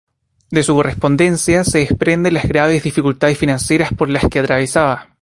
De su correspondencia se desprenden las graves dificultades financieras por las que atravesaba.